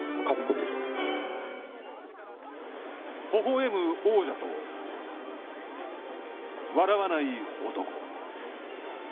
ほほえむ王者と、笑わない男。